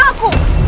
iya aku tahu